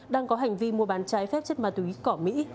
đang có hành vi mua bán trái phép chất ma túy cỏ mỹ